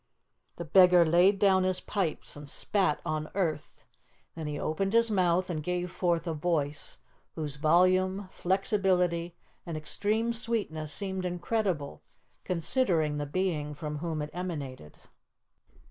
The beggar laid down his pipes and spat on earth. Then he opened his mouth and gave forth a voice whose volume, flexibility, and extreme sweetness seemed incredible, considering the being from whom it emanated.